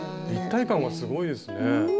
立体感がすごいですね。